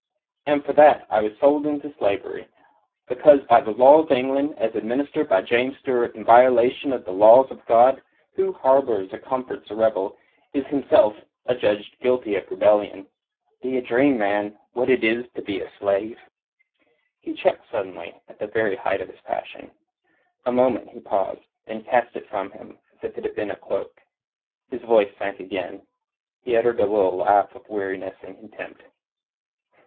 And for that I was sold into slavery: because by the law of England, as administered by James Stuart in violation of the laws of God, who harbours or comforts a rebel is himself adjudged guilty of rebellion. D'ye dream man, what it is to be a slave?" He checked suddenly at the very height of his passion. A moment he paused, then cast it from him as if it had been a cloak. His voice sank again. He uttered a little laugh of weariness and contempt.